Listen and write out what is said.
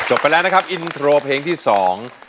ไปแล้วนะครับอินโทรเพลงที่สอง